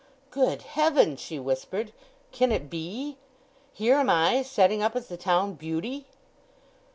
"Good Heaven," she whispered, "can it be? Here am I setting up as the town beauty!"